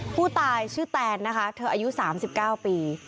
ผู้ตายชื่อแตนนะคะเธออายุ๓๙ปี